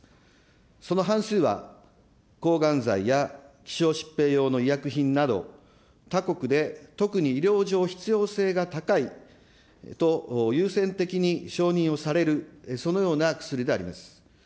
その半数は、抗がん剤や希少疾病用の医薬品など、他国で特に医療上必要性が高いと優先的に承認をされる、そのような薬であります。